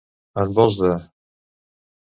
En vols de.